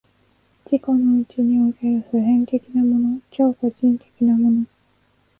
自己のうちにおける普遍的なもの、超個人的なもの、